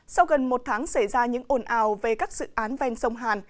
sau gần một tháng xảy ra những ồn ào về các dự án ven sông hàn